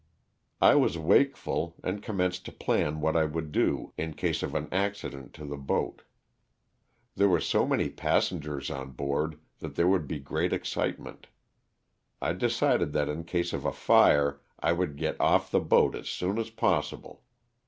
I was wakeful, and commenced to plan what I would do in case of an accident to the boat. There were so many passengers on board that there would be great excitement. I decided that in case of a fire I would get olT the boat as soon as possible.